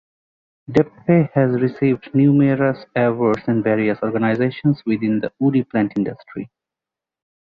Deppe has received numerous awards in various organizations within the woody plant industry.